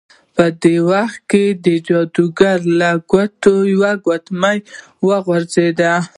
په دې وخت کې د جادوګر له ګوتې یوه ګوتمۍ وغورځیده.